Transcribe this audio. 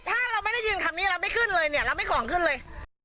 ถ้าเราไม่ได้ยินคำนี้เราไม่ขึ้นเลยเนี่ยเราไม่ของขึ้นเลย